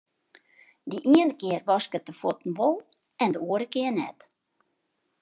De iene kear waskest de fuotten wol en de oare kear net.